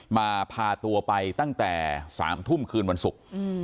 มาพาตัวไปตั้งแต่๓ทุ่มคืนวันศุกร์